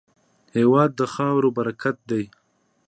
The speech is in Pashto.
هېواد د خاورې برکت دی.